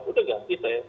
sudah ganti saya